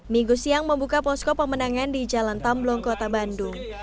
minggu siang membuka posko pemenangan di jalan tamblong kota bandung